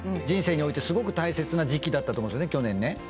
人生においてすごく大切な時期だったと思うんですよね去年ね。